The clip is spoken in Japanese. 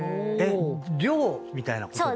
寮みたいなことですか？